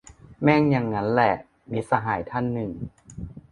แม่งยังงั้นแหละ - มิตรสหายท่านหนึ่ง